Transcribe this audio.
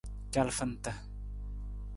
Calafanta.